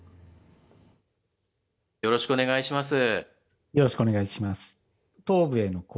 よろしくお願いします。